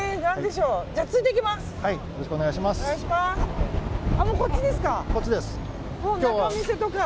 よろしくお願いします！